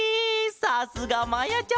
さすがまやちゃま！